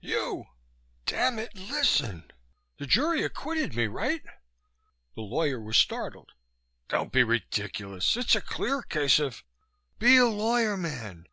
"You, damn it. Listen! The jury acquitted me, right?" The lawyer was startled. "Don't be ridiculous. It's a clear case of " "Be a lawyer, man!